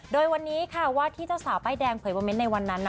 โดยวันนี้ค่ะว่าที่เจ้าสาวป้ายแดงเผยโมเมนต์ในวันนั้นนะ